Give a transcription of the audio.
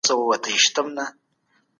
کوم مشروبات د ذهني روغتیا لپاره زیانمن دي؟